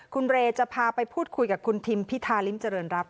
คุณเรจะพาไปพูดคุยกับคุณทิมพิธาริมเจริญรัฐ